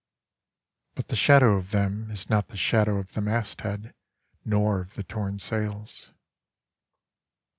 But the shadow of themIs not the shadow of the mast headNor of the torn sails.